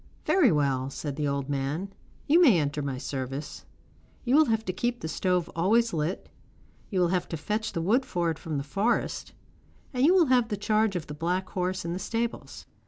'Very well,' said the old man. 'You may enter my service. You will have to keep the stove always lit, you will have to fetch the wood for it from the forest, and you will have the charge of the black horse in the stables.